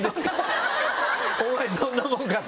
お前そんなもんかと。